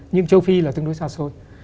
nhưng châu phi là tương đối xa xôi